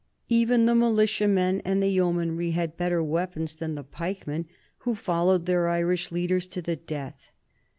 Even the militiamen and the yeomanry had better weapons than the pikemen who followed their Irish leaders to the death.